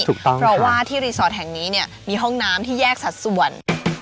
ถูกต้องเพราะว่าที่รีสอร์ทแห่งนี้เนี่ยมีห้องน้ำที่แยกสัดส่วน